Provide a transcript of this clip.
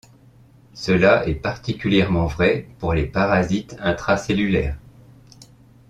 Cela est particulièrement vrai pour les parasites intracellulaires.